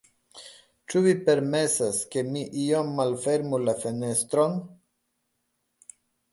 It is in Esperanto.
Ĉu vi permesas, ke mi iom malfermu la fenestron?